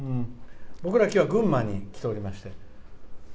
僕ら、きょうは群馬に来ておりまして。